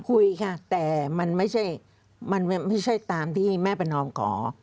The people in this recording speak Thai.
คุยค่ะแต่มันไม่ใช่ตามที่แม่ประนอมขอ